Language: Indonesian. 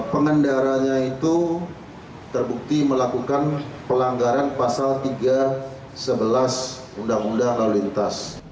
pengendaranya itu terbukti melakukan penahanan terhadap pelakunya